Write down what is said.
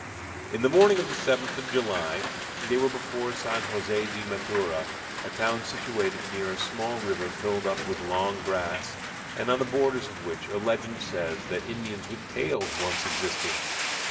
In the morning of the 7th of July they were before San Jose de Matura, a town situated near a small river filled up with long grass, and on the borders of which a legend says that Indians with tails once existed.